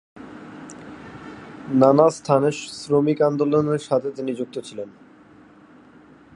নানা স্থানে শ্রমিক আন্দোলনের সাথে তিনি যুক্ত ছিলেন।